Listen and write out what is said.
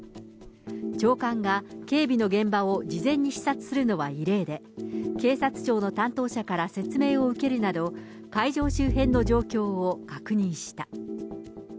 長官が警備の現場を事前に視察するのは異例で、警察庁の担当者から説明を受けるなど、会場周辺の状況を確認した。